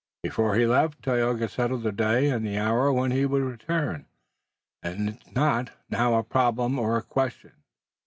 Before he left, Tayoga settled the day and the hour when he would return and it's not now a problem or a question.